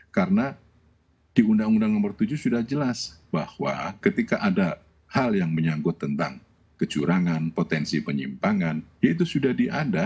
karena di undang undang nomor tujuh sudah jelas bahwa ketika ada hal yang menyangkut tentang kecurangan potensi penyimpangan itu sudah diada